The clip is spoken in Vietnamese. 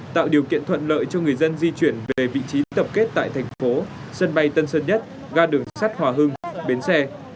tạo điều kiện thuận lợi cho người dân di chuyển về vị trí tập kết tại thành phố sân bay tân sơn nhất ga đường sắt hòa hưng bến xe